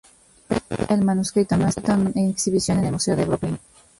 Hoy en día, el manuscrito no está en exhibición en el Museo de Brooklyn.